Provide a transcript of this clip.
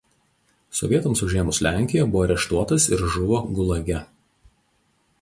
Sovietams užėmus Lenkiją buvo areštuotas ir žuvo Gulage.